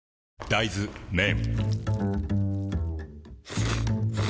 大豆麺